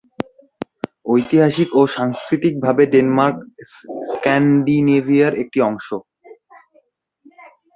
ঐতিহাসিক ও সাংস্কৃতিকভাবে ডেনমার্ক স্ক্যান্ডিনেভিয়ার একটি অংশ।